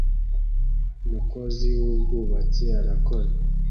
Umukozi wubwubatsi arakora